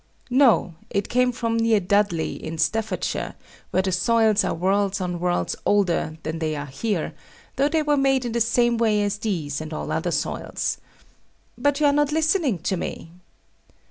No. It came from near Dudley, in Staffordshire, where the soils are worlds on worlds older than they are here, though they were made in the same way as these and all other soils. But you are not listening to me.